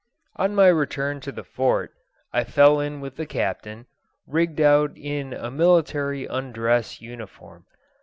On my return to the Fort, I fell in with the Captain, rigged out in a military undress uniform.